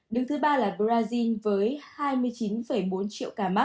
đứng thứ ba là brazil với hai mươi chín bốn triệu ca mắc